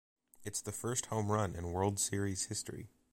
It is the first home run in World Series history.